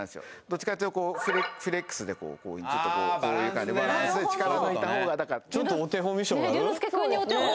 どっちかっていうとフレックスでこういう感じでバランスで力を抜いた方がだからちょっとお手本見してもらう？